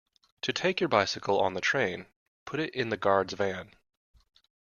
To take your bicycle on the train, put it in the guard’s van